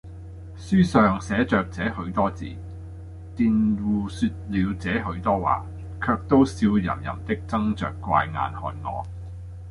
書上寫着這許多字，佃戶說了這許多話，卻都笑吟吟的睜着怪眼看我。